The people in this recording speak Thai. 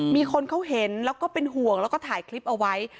มีคนเขาเห็นแล้วก็เป็นห่วงแล้วก็ถ่ายคลิปเอาไว้